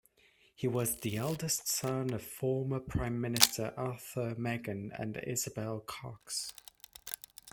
He was the eldest son of former Prime Minister Arthur Meighen and Isabel Cox.